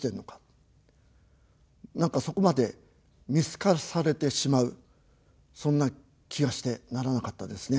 何かそこまで見透かされてしまうそんな気がしてならなかったですね。